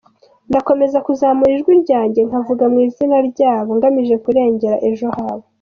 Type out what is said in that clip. Ndakomeza kuzamura ijwi ryanjye nkavuga mu izina ryabo, ngamije kurengera ejo habo.